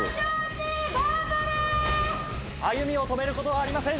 歩みを止めることはありません